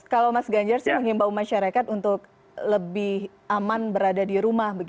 kalau mas ganjar sih mengimbau masyarakat untuk lebih aman berada di rumah